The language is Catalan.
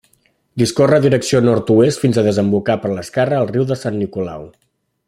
Discorre direcció nord-oest fins a desembocar, per l'esquerra, al Riu de Sant Nicolau.